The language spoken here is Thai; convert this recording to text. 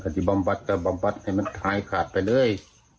ที่บำบัดก็บำบัดให้มันคลายขาดไปเลย